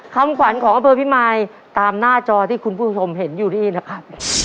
คำขวัญของอำเภอพิมายตามหน้าจอที่คุณผู้ชมเห็นอยู่นี่นะครับ